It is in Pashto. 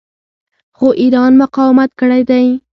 خو ایران مقاومت کړی دی.